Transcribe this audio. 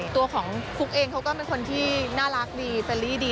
ตัวของฟุ๊กเองเขาก็เป็นคนที่น่ารักดีเฟลลี่ดี